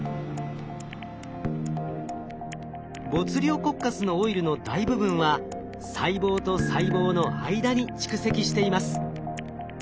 ボツリオコッカスのオイルの大部分は細胞と細胞の間に蓄積しています。